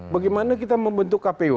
bagaimana kita membentuk kpu